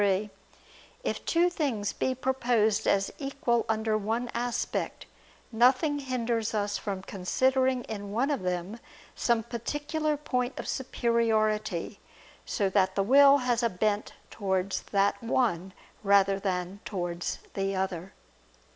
3: If two things be proposed as equal under one aspect, nothing hinders us from considering in one of them some particular point of superiority, so that the will has a bent towards that one rather than towards the other.